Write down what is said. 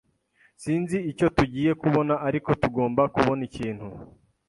Sinzi icyo tugiye kubona, ariko tugomba kubona ikintu.